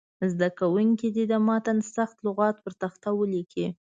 زده کوونکي دې د متن سخت لغات پر تخته ولیکي.